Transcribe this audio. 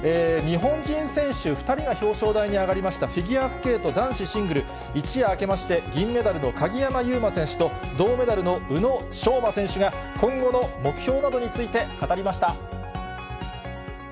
日本人選手２人が表彰台に上がりましたフィギュアスケート男子シングル、一夜明けまして、銀メダルの鍵山優真選手と、銅メダルの宇野昌磨選手が、今後の目標などについて、語りました。